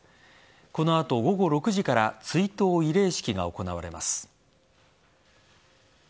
この後、午後６時から追悼慰霊式が行われます。